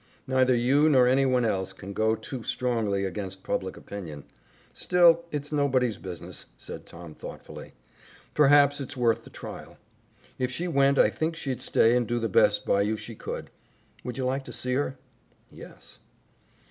Neither you nor anyone else can go too strongly against public opinion. Still, it's nobody's business," added Tom thoughtfully. "Perhaps it's worth the trial. If she went I think she'd stay and do the best by you she could. Would you like to see her?" "Yes."